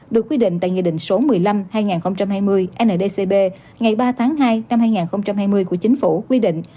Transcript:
được quy định tại nghị định số một mươi năm hai nghìn hai mươi ndcb ngày ba tháng hai năm hai nghìn hai mươi của chính phủ quy định